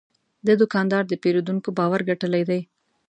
دا دوکاندار د پیرودونکو باور ګټلی دی.